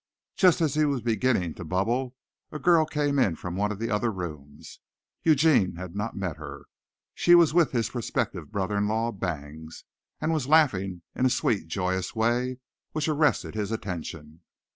Just as he was beginning to bubble, a girl came in from one of the other rooms. Eugene had not met her. She was with his prospective brother in law, Bangs, and was laughing in a sweet, joyous way which arrested his attention.